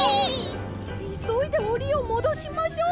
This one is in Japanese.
いそいでおりをもどしましょう！